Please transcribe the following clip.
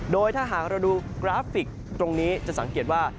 โดยถ้าหากเราดูกราฟิกตรงนี้จะสังเกตว่า